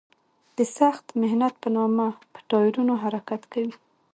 د سخت محنت په نامه په ټایرونو حرکت کوي.